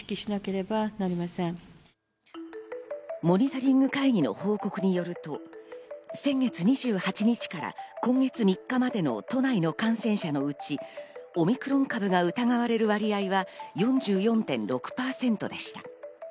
モニタリング会議の報告によると、先月２８日から今月３日までの都内の感染者のうち、オミクロン株が疑われる割合が４４．６％でした。